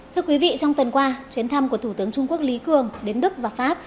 thưa quý vị trong tuần qua chuyến thăm của thủ tướng trung quốc lý cường đến đức và pháp